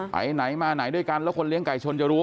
ไปไหนมาไหนด้วยกันแล้วคนเลี้ยงไก่ชนจะรู้